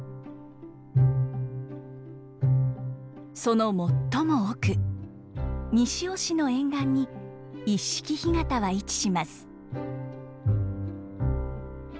その最も奥西尾市の沿岸に一色干潟は位置します。